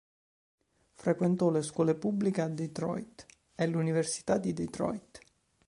Frequentò le scuole pubbliche a Detroit e l'Università di Detroit.